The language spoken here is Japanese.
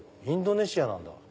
インドネシアなんだ！